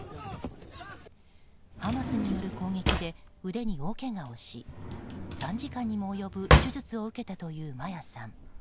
ハマスによる攻撃で腕に大けがをし３時間にも及ぶ手術を受けたというマヤさん。